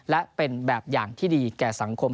และเป็นแบบอย่างที่ดีแก่สังคม